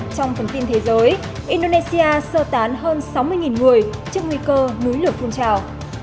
trong phần tin thế giới indonesia sơ tán hơn sáu mươi người trước nguy cơ núi lửa phun trào